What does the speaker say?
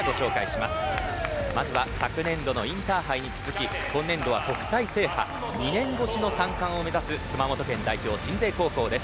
まずは昨年度のインターハイに続き今年度は国体制覇２年越しの３冠を目指す熊本県代表、鎮西高校です。